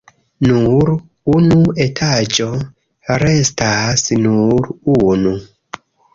Nur unu etaĝo restas! Nur unu.